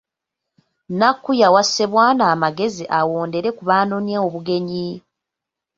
Nnakku yawa Ssebwana amagezi awondere ku baanonye obugenyi.